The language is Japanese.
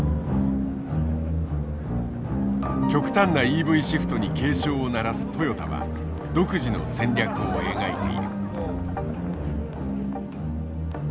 極端なＥＶシフトに警鐘を鳴らすトヨタは独自の戦略を描いている。